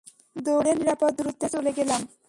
দৌড়ে নিরাপদ দূরত্বে চলে গেলাম।